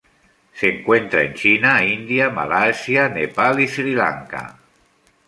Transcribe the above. Se encuentra en China, India, Malasia, Nepal y Sri Lanka.